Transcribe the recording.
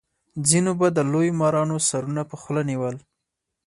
ځینو به د لویو مارانو سرونه په خوله نیول.